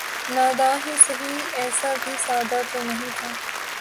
ناداں ہی سہی ایسا بھی سادہ تو نہیں تھا